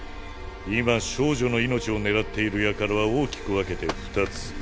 今少女の命を狙っている輩は大きく分けて２つ。